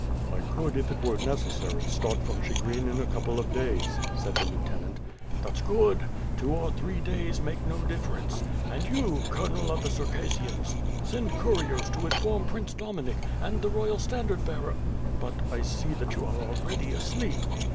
'' "I could, if it were necessary, start from Chigrin in a couple of days," said the lieutenant. "That's good. Two or three days make no difference. And you. Colonel of the Circassians, send couriers to inform Prince Dominik, and the Royal Standard Bearer, but I see that you are already asleep."